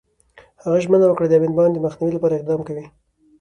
هغه ژمنه وکړه، د امین بانډ د مخنیوي لپاره اقدام کوي.